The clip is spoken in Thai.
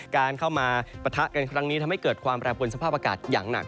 การเข้ามาปะทะกันครั้งนี้ทำให้เกิดความแปรปวนสภาพอากาศอย่างหนัก